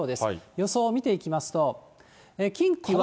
予想を見ていきますと、近畿は。